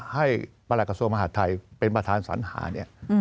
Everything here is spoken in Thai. ให้ปรกสมมหาทัยเป็นประธานสัญหาเนี่ย